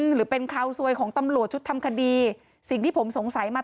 หรือเป็นคาวซวยของตำรวจชุดทำคดีสิ่งที่ผมสงสัยมา